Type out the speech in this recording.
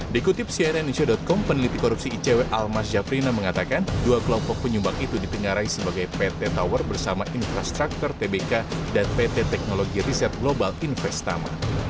di kutip cninitio com peneliti korupsi icw almas japrina mengatakan dua kelompok penyumbang itu dipengarai sebagai pt tower bersama infrastructure tbk dan pt teknologi riset global investaman